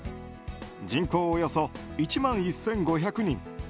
人口およそ１万１５００人。